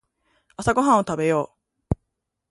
朝ごはんを食べよう。